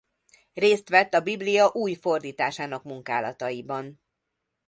Részt vett a Biblia új fordításának munkálataiban.